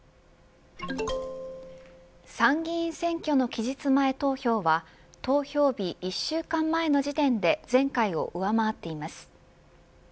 参議院選挙の期日前投票は投票日１週間前の時点で前回を上回っています。